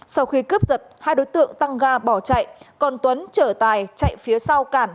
sau khi cướp giật hai đối tượng tăng ga bỏ chạy còn tuấn chở tài chạy phía sau cản